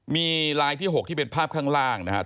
มีลายที่๖ที่เป็นภาพข้างล่างนะครับ